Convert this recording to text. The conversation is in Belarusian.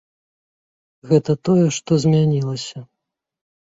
Гэта тое, што змянілася.